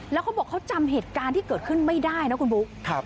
แล้วเขาบอกเขาจำเหตุการณ์ที่เกิดขึ้นไม่ได้นะคุณบุ๊ค